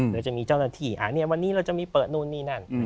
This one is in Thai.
โดยจะมีเจ้าหน้าที่วันนี้เราจะมีเปิดนู่นนี่นั่น